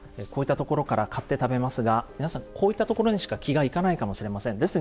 こういった所から買って食べますが皆さんこういった所にしか気がいかないかもしれません。